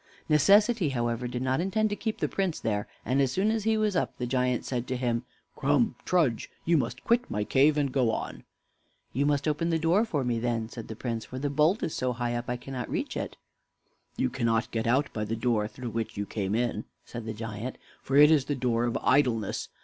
Necessity, however, did not intend to keep the Prince there, and as soon as he was up the giant said to him: "Come, trudge; you must quit my cave, and go on." "You must open the door for me, then," said the Prince; "for the bolt is so high up I cannot reach it." "You cannot get out by the door through which you came in," said the giant, "for it is the door of Idleness.